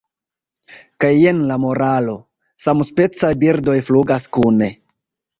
Kaj jen la moralo: 'Samspecaj birdoj flugas kune.'"